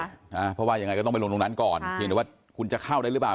เพราะว่ายังไงก็ต้องไปลงตรงนั้นก่อนเพียงแต่ว่าคุณจะเข้าได้หรือเปล่า